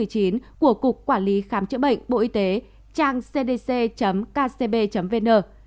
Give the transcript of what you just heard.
của cục quản lý khám chữa bệnh bộ y tế trang cdc kcb vn